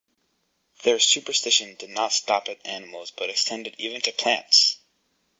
Their superstition did not stop at animals but extended even to plants.